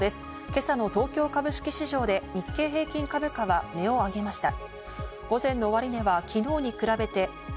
今朝の東京株式市場で日経平均株価は値を上げました。